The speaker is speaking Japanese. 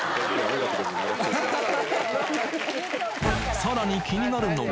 さらに気になるのが。